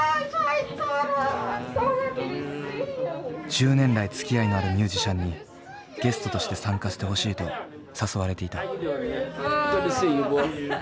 １０年来つきあいのあるミュージシャンにゲストとして参加してほしいと誘われていた。